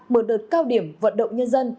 mở đợt cao điểm vận động nhân dân